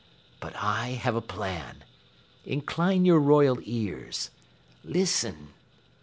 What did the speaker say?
But I have a plan. Incline your Royal ears listen."